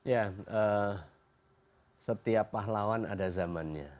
ya setiap pahlawan ada zamannya